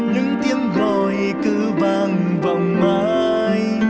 những tiếng gọi cứ vang vòng mãi